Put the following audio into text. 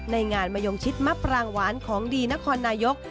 ในงานมะยงชิดมะปรางหวานของดีนครนายก